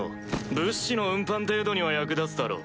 物資の運搬程度には役立つだろう。